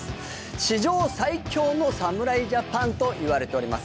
史上最強の侍ジャパンといわれております。